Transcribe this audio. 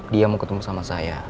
dia mau ketemu sama saya